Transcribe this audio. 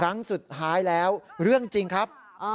ครั้งสุดท้ายแล้วเรื่องจริงครับ